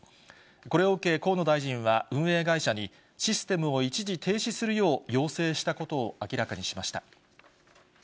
これを受け、河野大臣は運営会社に、システムを一時停止するよう要請したことを明らかにしました。